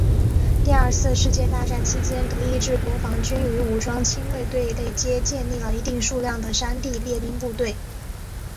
第二次世界大战期间的德意志国防军与武装亲卫队内皆建立了一定数量的山地猎兵部队。